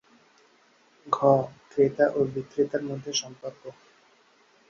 ঘ. ক্রেতা ও বিক্রেতার মধ্যে সম্পর্ক